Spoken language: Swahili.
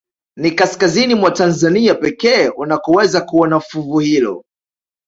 Ni kaskazini mwa Tanzania pekee unakoweza kuona fuvu hilo